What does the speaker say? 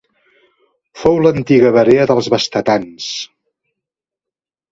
Fou l'antiga Barea dels bastetans.